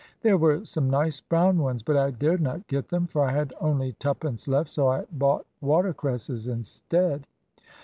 "There were some nice brown ones, but I dared not get them, for I had only twopence left, so I bought watercresses instead."